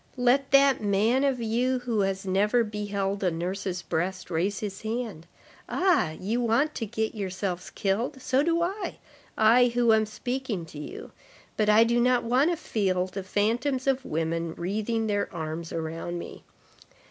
Let that man of you who has never beheld a nurse's breast raise his hand. Ah! you want to get yourselves killed, so do I—I, who am speaking to you; but I do not want to feel the phantoms of women wreathing their arms around me.